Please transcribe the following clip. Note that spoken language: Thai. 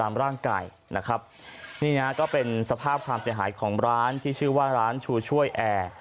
ร่างกายนะครับนี่ฮะก็เป็นสภาพความเสียหายของร้านที่ชื่อว่าร้านชูช่วยแอร์